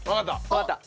わかった！